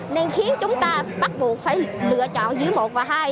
nên khiến chúng ta bắt buộc phải lựa chọn dưới một và hai